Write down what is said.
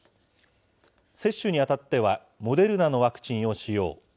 接種にあたっては、モデルナのワクチンを使用。